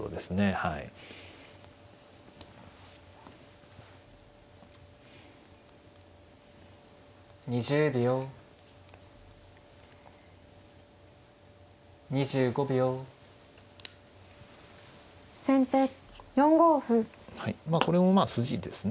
はいこれもまあ筋ですね